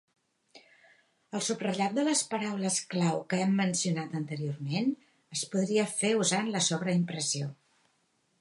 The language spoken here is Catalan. El subratllat de les paraules clau que hem mencionat anteriorment es podria fer usant la sobreimpressió.